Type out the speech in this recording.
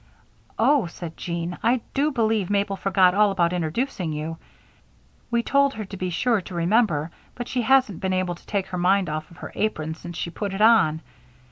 "Oh!" said Jean, "I do believe Mabel forgot all about introducing you. We told her to be sure to remember, but she hasn't been able to take her mind off of her apron since she put it on.